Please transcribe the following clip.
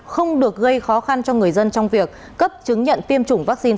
không được gây khó khăn cho người dân trong việc cấp chứng nhận tiêm chủng vaccine